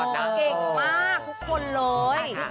เก่งมากทุกคนเลย